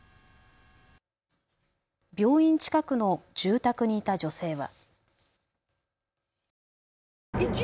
病院近くの住宅にいた女性は。